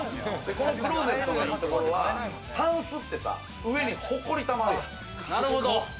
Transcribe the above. このクロゼットのいいところはタンスってさ、上にホコリがたまるやん？